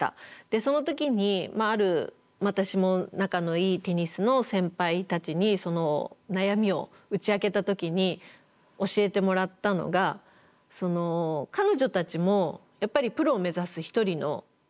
その時にある私も仲のいいテニスの先輩たちにその悩みを打ち明けた時に教えてもらったのが彼女たちもやっぱりプロを目指す一人のアスリートであることは同じだと。